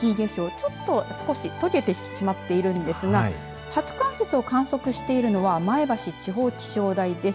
ちょっと少し溶けてしまっているんですが初冠雪を観測しているのは前橋地方気象台です。